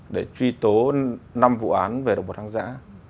để truy tố năm vụ án về động vật hoang dã